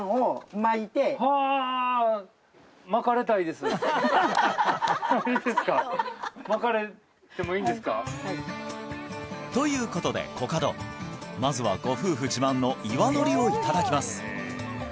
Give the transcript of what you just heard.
巻かれてもいいんですか？ということでコカドまずはご夫婦自慢の岩のりをいただきます